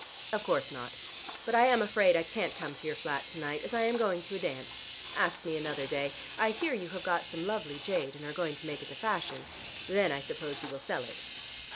"Of course not. But I am afraid I can't come to your flat to night, as I am going to a dance. Ask me another day. I hear you have got some lovely jade and are going to make it the fashion. Then I suppose you will sell it."